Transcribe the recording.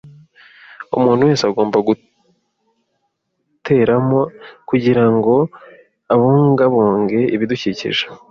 Umuntu wese agomba guteramo kugirango abungabunge ibidukikije.